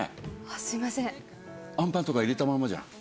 あんパン入れたままじゃん。